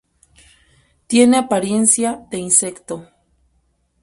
Tiene apariencia de insecto.